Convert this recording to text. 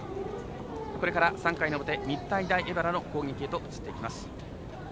これから３回の表日体大荏原の攻撃へと移っていきます。